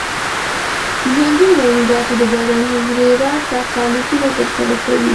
د ژوندیو موجوداتو د بدن حجرې راز راز فعالیتونه تر سره کوي.